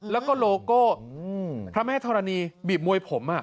แล้วก็โลโก้พระแม่ธรณีบีบมวยผม